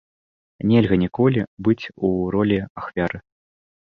Нельга ніколі быць у ролі ахвяры.